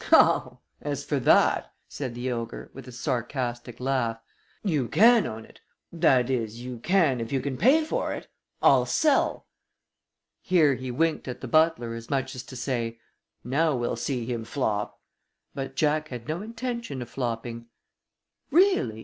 "Oh, as for that," said the ogre, with a sarcastic laugh, "you can own it that is, you can if you can pay for it. I'll sell." Here he winked at the butler as much as to say, "Now we'll see him flop." But Jack had no intention of flopping. "Really?"